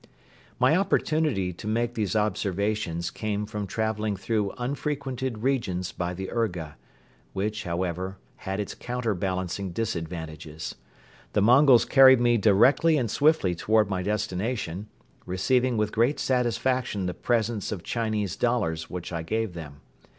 My opportunity to make these observations came from traveling through unfrequented regions by the urga, which, however, had its counterbalancing disadvantages. The Mongols carried me directly and swiftly toward my destination, receiving with great satisfaction the presents of Chinese dollars which I gave them.